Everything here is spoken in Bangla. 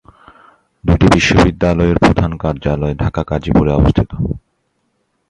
দুইটি বিশ্ববিদ্যালয়ের প্রধান কার্যালয় ঢাকার গাজীপুরে অবস্থিত।